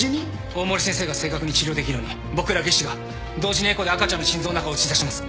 大森先生が正確に治療できるように僕ら技師が同時にエコーで赤ちゃんの心臓の中を映し出します。